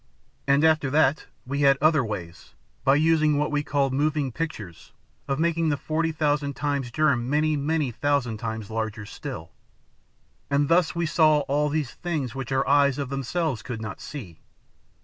And after that, we had other ways, by using what we called moving pictures, of making the forty thousand times germ many, many thousand times larger still. And thus we saw all these things which our eyes of themselves could not see.